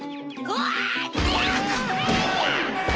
うわ！